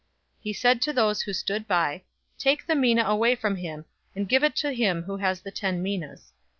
019:024 He said to those who stood by, 'Take the mina away from him, and give it to him who has the ten minas.'